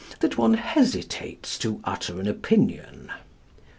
that one hesitates to utter an opinion."